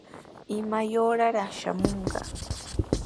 ¿Imaya uuraraq shamunqa?